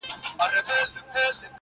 د مسجد په منارو که چي هېرېږئ